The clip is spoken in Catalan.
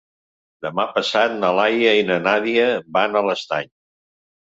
Demà passat na Laia i na Nàdia van a l'Estany.